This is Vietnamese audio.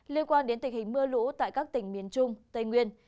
liên quan đến tình hình mưa lũ tại các tỉnh miền trung tây nguyên